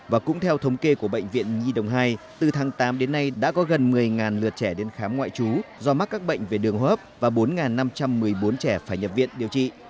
và cũng theo thống kê của bệnh viện nhi đồng hai từ tháng tám đến nay đã có gần một mươi lượt trẻ đến khám ngoại trú do mắc các bệnh về đường hấp và bốn năm trăm một mươi bốn trẻ phải nhập viện điều trị